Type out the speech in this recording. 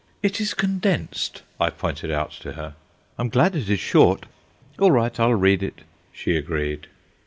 "It is condensed," I pointed out to her. "I am glad it is short. All right, I'll read it," she agreed.